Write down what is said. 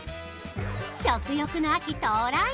食欲の秋到来